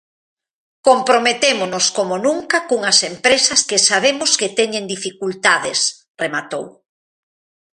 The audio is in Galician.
"Comprometémonos como nunca cunhas empresas que sabemos que teñen dificultades", rematou.